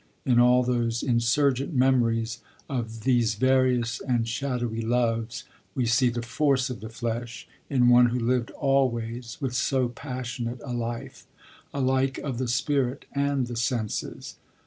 in all those insurgent memories of 'these various and shadowy loves,' we see the force of the flesh, in one who lived always with so passionate a life, alike of the spirit and the senses.